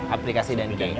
aplikasi dan games